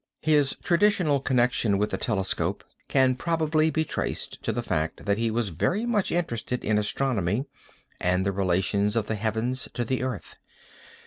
His traditional connection with the telescope can probably be traced to the fact that he was very much interested in astronomy and the relations of the heavens to the earth.